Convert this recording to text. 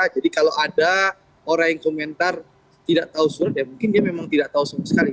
jadi kalau ada orang yang komentar tidak tahu surat ya mungkin dia memang tidak tahu sama sekali